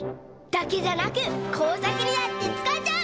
だけじゃなくこうさくにだってつかえちゃう！